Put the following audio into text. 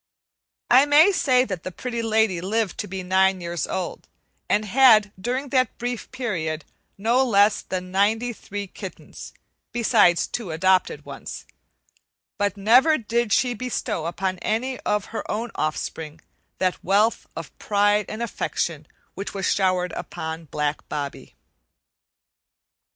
I may say that the Pretty Lady lived to be nine years old, and had, during that brief period, no less than ninety three kittens, besides two adopted ones; but never did she bestow upon any of her own offspring that wealth of pride and affection which was showered upon black Bobbie.